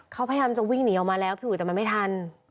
เขาพยายามจะวิ่งหนีออกมาแล้วพี่อุ๋ยแต่มันไม่ทัน